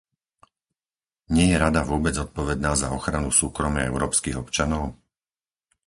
Nie je Rada vôbec zodpovedná za ochranu súkromia európskych občanov?